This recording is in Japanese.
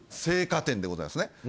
青果店でございますね